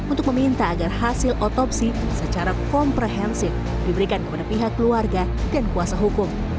untuk meminta agar hasil otopsi secara komprehensif diberikan kepada pihak keluarga dan kuasa hukum